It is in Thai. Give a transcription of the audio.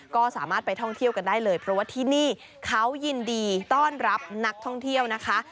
ก็สามารถไปท่องเที่ยวกันได้เลยเพราะว่าที่นี่เขายินดีต้อนรับนักท่องเที่ยวนะคะ